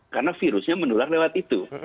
karena virusnya menular lewat itu